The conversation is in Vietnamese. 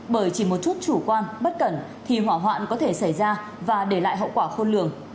bởi chỉ một chút chủ quan bất cẩn thì hỏa hoạn có thể xảy ra và để lại hậu quả khôn lường